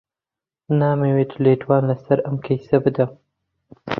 نامەوێت لێدوان لەسەر ئەم کەیسە بدەم.